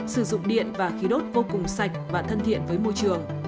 sử dụng điện và khí đốt vô cùng sạch và thân thiện với môi trường